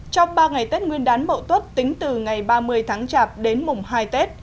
trong ba ngày tết nguyên đán mậu tuất tính từ ngày ba mươi tháng chạp đến mùng hai tết